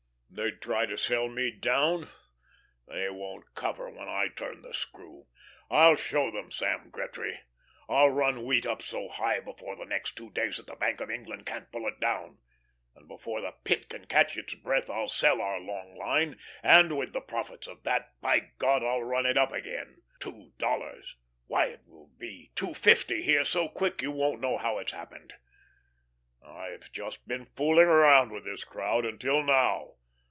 They'd try to sell me down; they won't cover when I turn the screw! I'll show 'em, Sam Gretry. I'll run wheat up so high before the next two days, that the Bank of England can't pull it down, and before the Pit can catch its breath, I'll sell our long line, and with the profits of that, by God! I'll run it up again. Two dollars! Why, it will be two fifty here so quick you won't know how it's happened. I've just been fooling with this crowd until now.